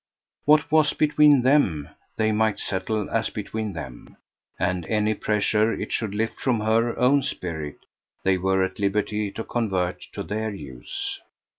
What was between THEM they might settle as between them, and any pressure it should lift from her own spirit they were at liberty to convert to their use.